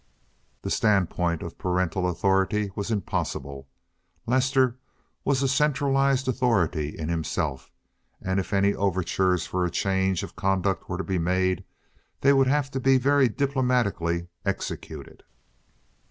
The standpoint of parental authority was impossible. Lester was a centralized authority in himself, and if any overtures for a change of conduct were to be made, they would have to be very diplomatically executed.